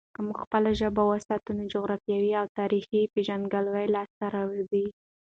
که موږ خپله ژبه وساتو، نو جغرافیايي او تاريخي پیژندګلوي لاسته راځي.